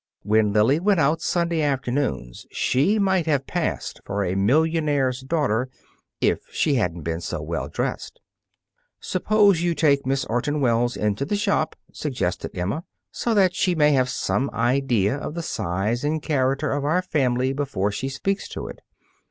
When Lily went out Sunday afternoons, she might have passed for a millionaire's daughter if she hadn't been so well dressed. "Suppose you take Miss Orton Wells into the shop," suggested Emma, "so that she may have some idea of the size and character of our family before she speaks to it.